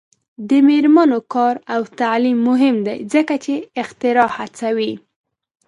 د میرمنو کار او تعلیم مهم دی ځکه چې اختراع هڅوي.